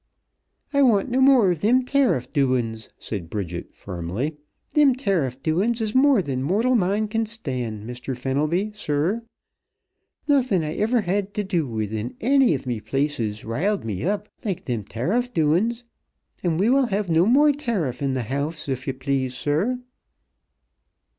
"I want no more of thim tariff doin's!" said Bridget firmly. "Thim tariff doin's is more than mortal mind can stand, Mr. Fenelby, sir! Nawthin' I ever had t' do with in anny of me places riled me up like thim tariff doin's, an' we will have no more tariff in th' house, if ye please, sir."